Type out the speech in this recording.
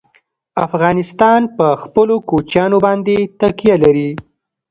افغانستان په خپلو کوچیانو باندې تکیه لري.